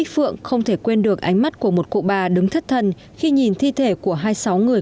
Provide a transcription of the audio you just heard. phượng không thể quên được ánh mắt của một cụ bà đứng thất thần khi nhìn thi thể của hai mươi sáu người